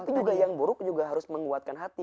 tapi juga yang buruk juga harus menguatkan hati